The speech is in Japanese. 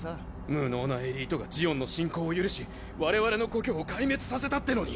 無能なエリートがジオンの侵攻を許し我々の故郷を壊滅させたってのに。